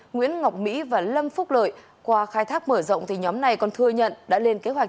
nguyễn ngọc mỹ và lâm phúc lợi qua khai thác mở rộng nhóm này còn thừa nhận đã lên kế hoạch